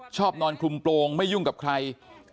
ชอบนอนคลุมโปรงไม่ยุ่งกับใคร